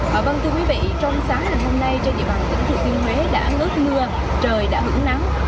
vâng thưa quý vị trong sáng ngày hôm nay trên dịp bằng tỉnh thừa thiên huế đã ngớt mưa trời đã hữu nắng